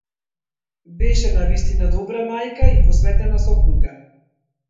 Беше навистина добра мајка и посветена сопруга.